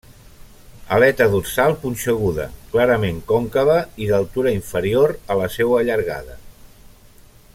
Aleta dorsal punxeguda, clarament còncava i d'altura inferior a la seua llargada.